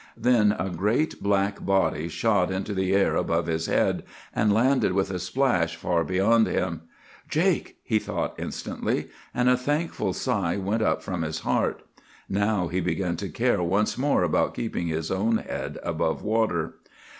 "Then a great black body shot into the air above his head, and landed with a splash far beyond him. 'Jake!' he thought instantly; and a thankful sigh went up from his heart. Now he began to care once more about keeping his own head above water.